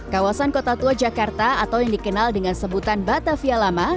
kawasan kota tua jakarta atau yang dikenal dengan sebutan batavia lama